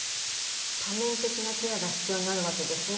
多面的なケアが必要になるわけですね。